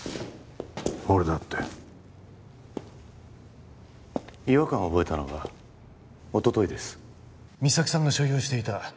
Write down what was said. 俺だって違和感を覚えたのはおとといです実咲さんが所有していた